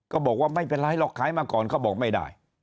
ก็บอกว่าไม่เป็นไรหรอกขายมาก่อนเขาบอกไม่ได้